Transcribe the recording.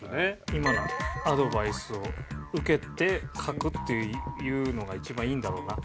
今のアドバイスを受けて書くっていうのが一番いいんだろうな。